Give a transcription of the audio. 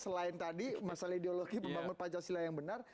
selain tadi masalah ideologi membangun pancasila yang benar